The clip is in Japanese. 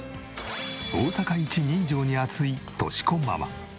大阪一人情に厚い敏子ママ。